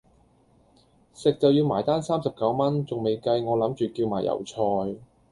食就要埋單三十九蚊,仲未計我諗住叫埋油菜